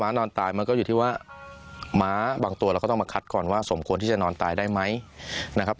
นอนตายมันก็อยู่ที่ว่าม้าบางตัวเราก็ต้องมาคัดก่อนว่าสมควรที่จะนอนตายได้ไหมนะครับ